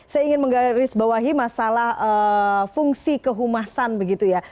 saya ingin menggarisbawahi masalah fungsi kehumasan begitu ya